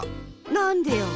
なんでよ！